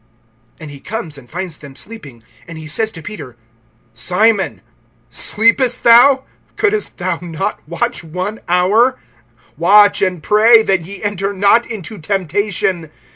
(37)And he comes, and finds them sleeping. And he says to Peter: Simon, sleepest thou? Couldest thou not watch one hour? (38)Watch and pray, that ye enter not into temptation.